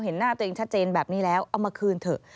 เห็นหน้าตัวเองชัดเจนแบบนี้แล้วเอามาคืนเถอะ